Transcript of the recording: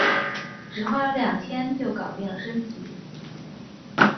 只花了两天就搞定了升级